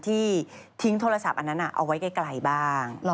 ที่ทิ้งโทรศัพท์อันนั้นเอาไว้ไกลบ้าง